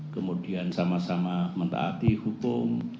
kemudian sama sama mentaati hukum